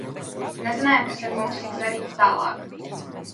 Nezinājām, kas ar mums tiks darīts tālāk.